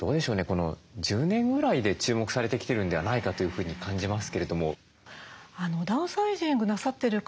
この１０年ぐらいで注目されてきてるんではないかというふうに感じますけれども。